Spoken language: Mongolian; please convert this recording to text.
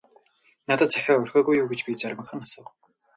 - Надад захиа орхиогүй юу гэж би зоримогхон асуув.